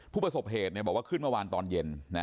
ผู้ประสบเหตุบอกว่าขึ้นเมื่อวานตอนเย็น